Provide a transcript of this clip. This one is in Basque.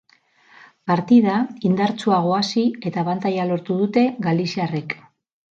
Partida indartsuago hasi eta abantaila lortu dute galiziarrek.